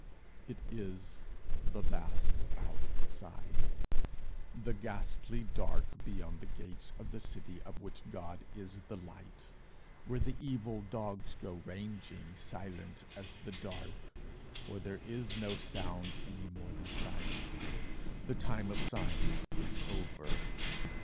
It is the vast outside; the ghastly dark beyond the gates of the city of which God is the light where the evil dogs go ranging, silent as the dark, for there is no sound any more than sight. The time of signs is over.